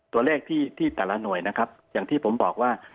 ตัวเลขที่แต่ละหน่วยนะครับอย่างที่ผมบอกว่า